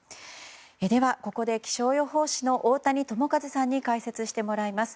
では、ここで気象予報士の太谷智一さんに解説してもらいます。